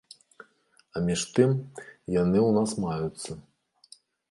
А між тым, яны ў нас маюцца.